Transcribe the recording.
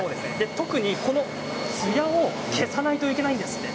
特にこのツヤを消さないといけないんですよね。